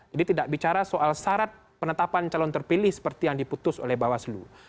jadi tidak bicara soal syarat penetapan calon terpilih seperti yang diputus oleh bawaslu